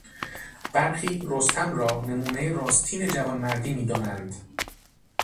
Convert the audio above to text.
برخی رستم را نمونهی راستین جوانمردی میدانند.